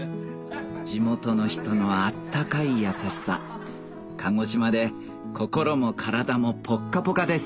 地元の人の温かい優しさ鹿児島で心も体もポッカポカです